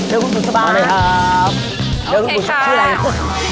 เจ้าคุณสุดสบายช่วยอะไร